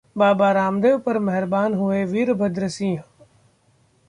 बाबा रामदेव पर मेहरबान हुए वीरभद्र सिंह